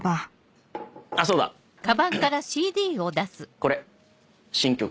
これ新曲。